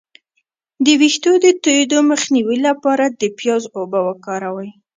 د ویښتو د تویدو مخنیوي لپاره د پیاز اوبه وکاروئ